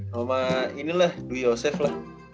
sama inilah dui yosef lah